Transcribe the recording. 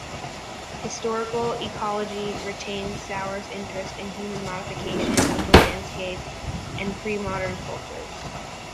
Historical ecology retains Sauer's interest in human modification of the landscape and pre-modern cultures.